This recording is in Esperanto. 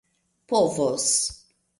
povos